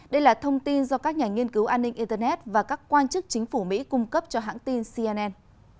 đây là thông tin do các nhà nghiên cứu an ninh internet và các quan chức chính phủ mỹ cung cấp cho hãng tin cnn